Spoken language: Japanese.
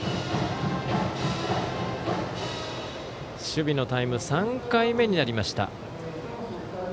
守備のタイム３回目になりました。